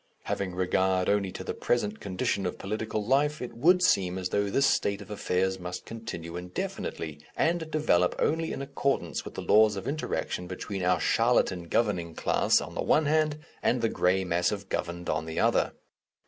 Having regard only to the present condition of political life, it would seem as though this state of affairs must continue indefinitely, and develop only in accordance with the laws of inter action between our charlatan governing class on the one hand, and the grey mass of governed on the other.